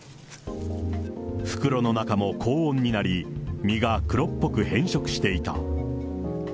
袋の中も高温になり、実が黒っぽく変色していた。